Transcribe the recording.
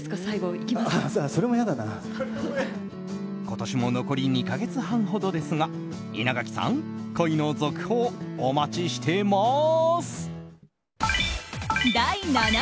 今年も残り２か月半ほどですが稲垣さん恋の続報お待ちしてます！